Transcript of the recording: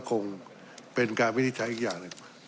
ก็คงเป็นการวินิจฉัยอีกอย่าง